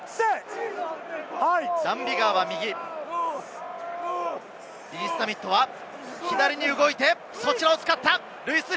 ダン・ビガーは右、リース＝ザミットは左に動いて、そちらを使った！